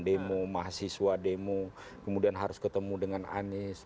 demo mahasiswa demo kemudian harus ketemu dengan anies